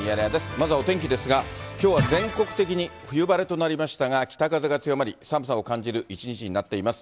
まずはお天気ですが、きょうは全国的に冬晴れとなりましたが、北風が強まり、寒さを感じる一日になっています。